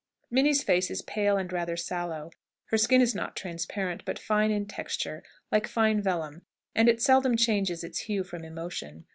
Minnie's face is pale and rather sallow. Her skin is not transparent, but fine in texture, like fine vellum, and it seldom changes its hue from emotion.